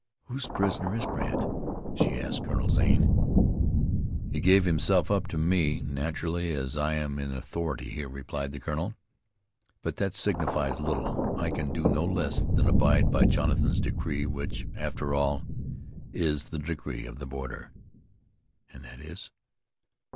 "Whose prisoner is Brandt?" she asked of Colonel Zane. "He gave himself up to me, naturally, as I am in authority here," replied the colonel. "But that signifies little. I can do no less than abide by Jonathan's decree, which, after all, is the decree of the border." "And that is?"